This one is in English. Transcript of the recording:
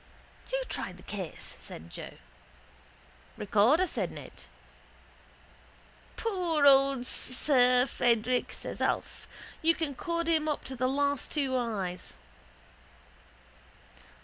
—Who tried the case? says Joe. —Recorder, says Ned. —Poor old sir Frederick, says Alf, you can cod him up to the two eyes.